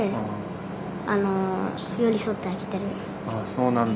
そうなんだ。